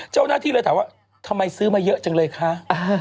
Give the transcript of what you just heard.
เจ้าหน้าที่เลยถามว่าทำไมซื้อมาเยอะจังเลยคะ